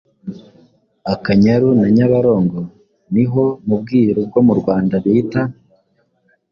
Akanyaru na Nyabarongo ni ho mu Bwiru bwo mu Rwanda bita